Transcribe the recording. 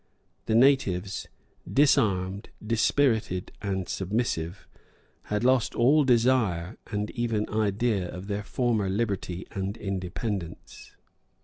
The natives, disarmed, dispirited, and submissive, had lost all desire and even idea of their former liberty and independence.